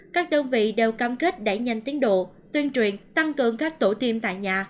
các đơn vị đều cam kết đẩy nhanh tiến độ tuyên truyền tăng cường các tổ tiêm tại nhà